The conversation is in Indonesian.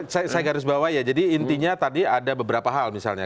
saya garis bawah ya jadi intinya tadi ada beberapa hal misalnya